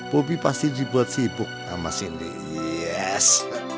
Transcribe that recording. bobi pasti dibuat sibuk sama cindy yes